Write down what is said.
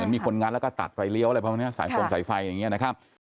มีคนงัดแล้วก็ตัดไฟเลี้ยวสายโฟนสายไฟอย่างนี้นะครับ